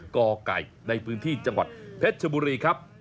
กไก่ในพื้นที่จังหวัดเพชรชบุรีครับ